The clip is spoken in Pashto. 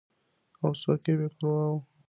او څوک بې پروا وو.